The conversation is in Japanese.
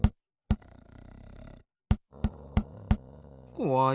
こわい。